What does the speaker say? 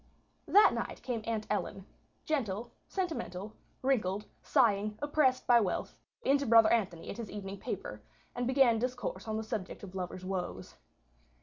That night came Aunt Ellen, gentle, sentimental, wrinkled, sighing, oppressed by wealth, in to Brother Anthony at his evening paper, and began discourse on the subject of lovers' woes.